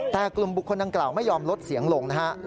แต่กลุ่มบุคคลดังกล่าวไม่ยอมลดเสียงลงนะฮะ